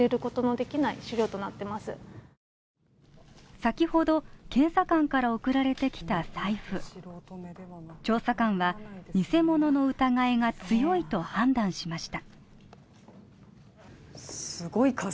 先ほど、検査官から送られてきた財布調査官は偽物の疑いが強いと判断しました